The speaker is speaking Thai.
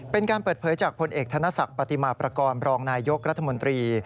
เป็นการเปิดเผยจากพลเอกธนศักดิ์ปฏิมาประกอบรองนายยกรัฐมนตรี